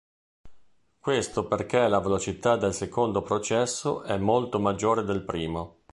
Questo perché la velocità del secondo processo è molto maggiore del primo.